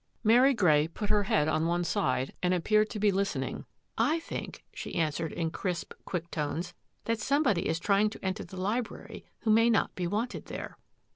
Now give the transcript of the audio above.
" Mary Grey put her head on one side and ap peared to be listening. " I think," she answered in crisp, quick tones, " that somebody is trying to enter the library who may not be wanted there."